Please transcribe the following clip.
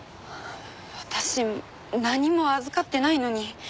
私何も預かってないのに。